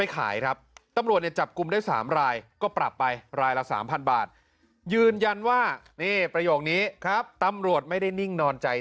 ครับมาขายในวัดไม่ได้